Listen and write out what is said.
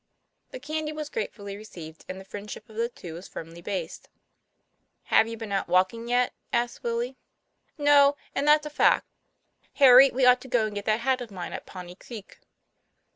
The candy was gratefully received, and the friend ship of the two was firmly based. " Have you been out walking yet?" asked Willie. "No; and that's a fact; Harry, we ought to go and get that hat of mine at Pawnee Creek."